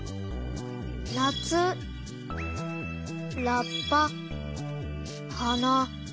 なつラッパはな。